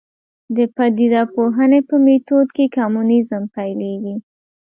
د پدیده پوهنې په میتود کې کمونیزم پیلېږي.